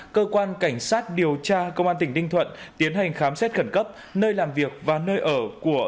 cơ quan cảnh sát điều tra công an tỉnh ninh thuận tiến hành khám xét khẩn cấp nơi làm việc và nơi ở của